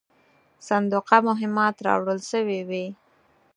صندوقه مهمات راوړل سوي وې.